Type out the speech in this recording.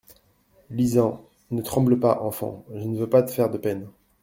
Lisant. "Ne tremble pas, enfant, je ne veux pas te faire de peine.